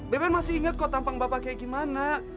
beben masih inget kok tampang bapak kayak gimana